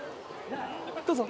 どうぞ。